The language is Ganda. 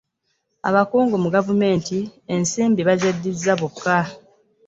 abakungu mu gavumenti ensimbi bazeddiza bokka.